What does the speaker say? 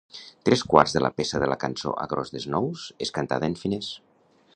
Tres quarts de la peça de la cançó "Across the Snows" és cantada en finès.